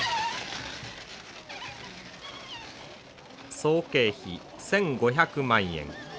総経費１，５００万円。